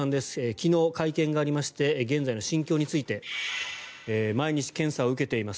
昨日、会見がありまして現在の心境について毎日検査を受けています。